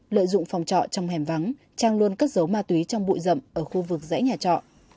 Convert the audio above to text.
lợi dụng phòng trọ trong hẻm vắng trang luôn cất giấu ma túy trong bụi rậm ở khu vực dãy nhà trọ